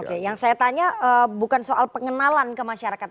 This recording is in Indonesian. oke yang saya tanya bukan soal pengenalan ke masyarakat